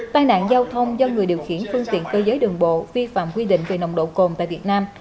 tai nạn giao thông do người điều khiển phương tiện cơ giới đường bộ vi phạm quy định về nồng độ cồn tại việt nam